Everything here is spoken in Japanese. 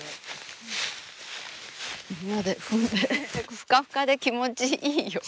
ふかふかで気持ちいいよ。